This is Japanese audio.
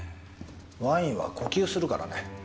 ワインは呼吸するからね。